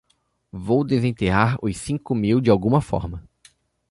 Vou desenterrar os cinco mil de alguma forma.